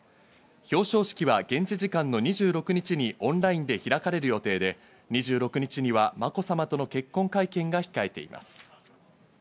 表彰式は現地時間の２６日にオンラインで開かれる予定で、２６日には、まこさまとの結婚会見が控えています。